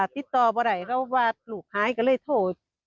ติดต่อเมื่อไหร่ลูกหายก็เลยโทษ